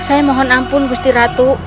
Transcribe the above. saya mohon ampun gusti ratu